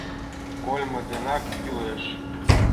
— Кольмо денак кӱлеш...